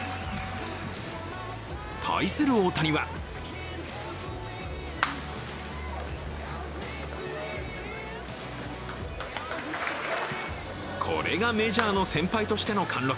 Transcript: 対する大谷はこれがメジャーの先輩としての貫禄。